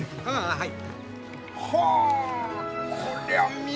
はい！